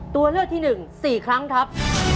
ตัวเลือกที่๑๔ครั้งครับ